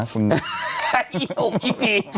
ไอ้ห่วงอีฟี่